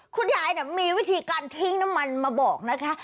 คุณยายมีวิธีการทิ้งน้ำมันมาบอกนะคะ